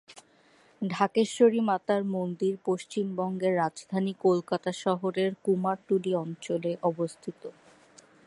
ঢাকেশ্বরী মাতার মন্দির পশ্চিমবঙ্গের রাজধানী কলকাতা শহরের কুমারটুলি অঞ্চলে অবস্থিত।